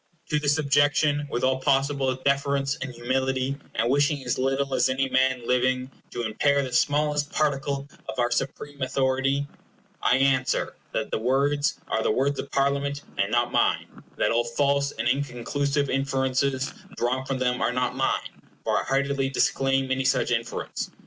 To this objection, with all possible deference and humility, and wishing as little as any man living to impair the smallest particle of our supreme authority, I answer, that the words are the words of Parliament, and not mine, and that all false and inconclusive inferences drawn from them are not mine, for I heartily disclaim any such inference.